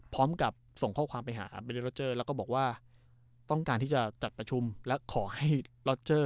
พร้อมกับส่งข้อความไปหาเมเดอร์ล็อเจอร์แล้วก็บอกว่าต้องการที่จะจัดประชุมและขอให้ล็อเจอร์